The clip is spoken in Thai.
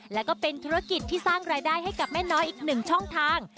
และก็เป็นธุรกิจที่สร้างรายได้ให้กับแม่น้อยอีกหนึ่งช่องทาง